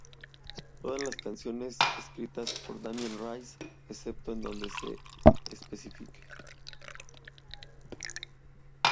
Todas las canciones escritas por Damien Rice, excepto en donde se especifique.